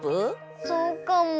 そうかも。